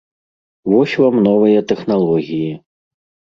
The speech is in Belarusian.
Вось вам новыя тэхналогіі!